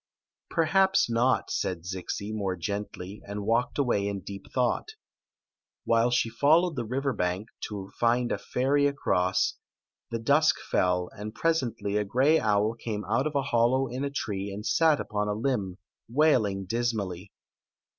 "Perhaps not," replied Zixi, more gently, and walked away in deep thought While she followed the river bank, to find a ferry across, the dusk fell, and presently a gray owl came out of a hollow in a tall tree and sat upoi||| limb, wailing dismally.